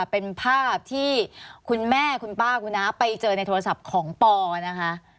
เป็นภาพที่คุณแม่คุณป้าคุณน้าไปเจอในโทรศัพท์ของปอนะคะ